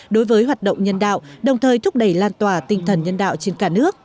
đối với hoạt động nhân đạo đồng thời thúc đẩy lan tỏa tinh thần nhân đạo trên cả nước